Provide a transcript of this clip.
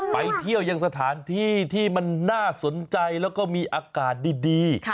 ไปเที่ยวยังสถานที่ที่มันน่าสนใจแล้วก็มีอากาศดี